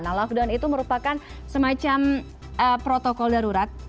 nah lockdown itu merupakan semacam protokol darurat